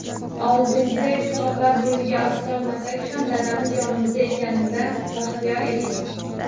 Oldingiday quchoqlab, boʻyniga osilolmasak ham, dadamiz yonimizda ekanidan baxtiyor edik.